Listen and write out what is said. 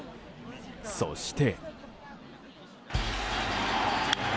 そして。